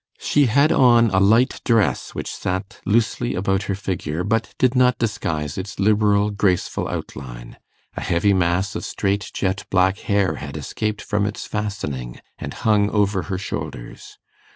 She had on a light dress which sat loosely about her figure, but did not disguise its liberal, graceful outline. A heavy mass of straight jet black hair had escaped from its fastening, and hung over her shoulders.